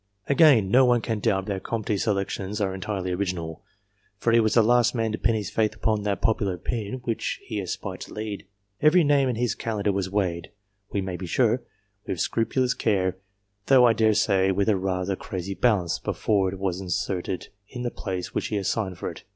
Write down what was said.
Again, no one can doubt that Comte's selections are entirely original; for he was the last man to pin his faith upon that popular opinion which he aspired to lead. Every name in his Calendar was weighed, we may be sure, with scrupulous care, though, I dare say, with a rather crazy balance, before it was inserted in the place which he assigned for it.